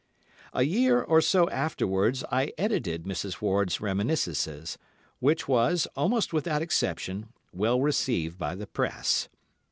A year or so afterwards I edited Mrs. Ward's reminiscences, which was, almost without exception, well received by the Press.